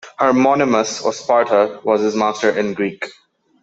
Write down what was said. Hermonymus of Sparta was his master in Greek.